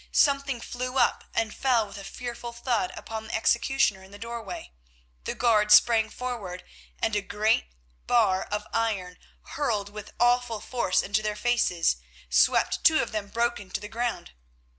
Something flew up and fell with a fearful thud upon the executioner in the doorway. The guard sprang forward, and a great bar of iron, hurled with awful force into their faces, swept two of them broken to the ground.